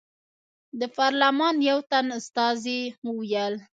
د پارلمان یو تن استازي وویل.